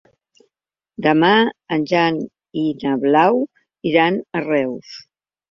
Demà en Jan i na Blau iran a Reus.